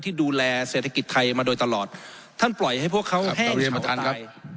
ที่ดูแลเศรษฐกิจไทยมาโดยตลอดท่านปล่อยให้พวกเขาแห้งชาวตาย